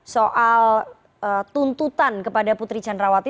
soal tuntutan kepada putri candrawati